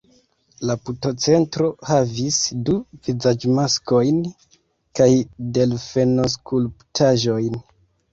La putocentro havis du vizaĝmaskojn kaj delfenoskulptaĵojn.